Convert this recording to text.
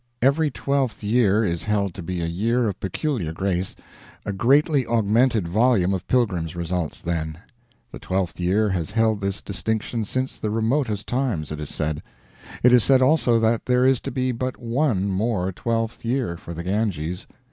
Every twelfth year is held to be a year of peculiar grace; a greatly augmented volume of pilgrims results then. The twelfth year has held this distinction since the remotest times, it is said. It is said also that there is to be but one more twelfth year for the Ganges.